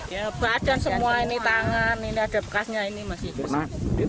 ya badan semua ini tangan ini ada bekasnya ini masih rusak